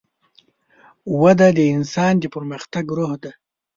وده د انسان د پرمختګ روح ده.